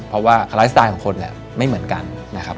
เพราะว่าไลฟ์สไตล์ของคนเนี่ยไม่เหมือนกันนะครับ